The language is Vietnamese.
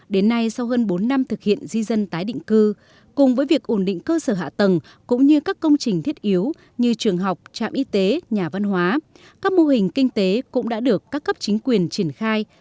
đến nay sau hơn bốn năm thực hiện di dân tái định cư cùng với việc ổn định cơ sở hạ tầng cũng như các công trình thiết yếu như trường học trạm y tế nhà văn hóa các mô hình kinh tế cũng đã được các cấp chính quyền triển khai